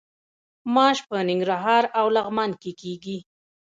ماش په ننګرهار او لغمان کې کیږي.